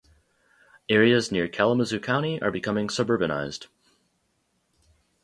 Areas near Kalamazoo County are becoming suburbanized.